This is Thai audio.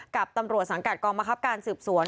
กับตำรวจสังกัดกองมะครับการสืบสวน